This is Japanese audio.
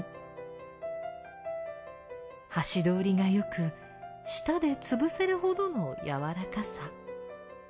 箸通りが良く舌でつぶせるほどのやわらかさ。